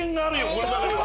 この中には。